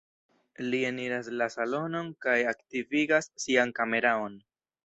Li eniras la salonon kaj aktivigas sian kameraon.